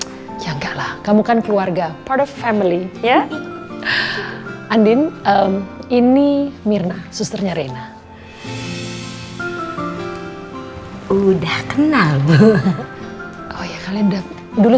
di sini ya ya nggak kamu kan keluarga family ya andin ini mirna susternya rena udah kenal dulu